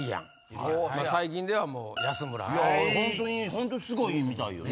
本当にすごいみたいよね。